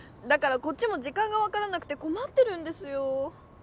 だからこっちもじかんがわからなくてこまってるんですよ